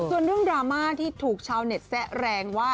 ส่วนเรื่องดราม่าที่ถูกชาวเน็ตแซะแรงว่า